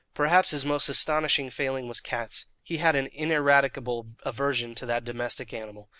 Perhaps his most astonishing failing was cats. He had an ineradicable aversion to that domestic animal.